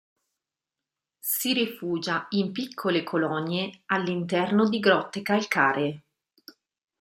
Si rifugia in piccole colonie all'interno di grotte calcaree.